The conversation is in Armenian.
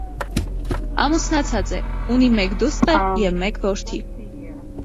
Ամուսնացած է, ունի մեկ դուստր և մեկ որդի։